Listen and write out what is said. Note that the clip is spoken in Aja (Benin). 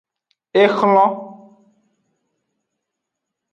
Exlon.